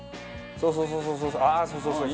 そうそうそうそう！